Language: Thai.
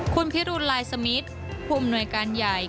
คุณพิรุณลายสมิทผู้อำนวยการใหญ่